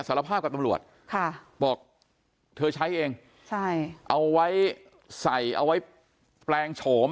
สารภาพกับตำรวจค่ะบอกเธอใช้เองใช่เอาไว้ใส่เอาไว้แปลงโฉม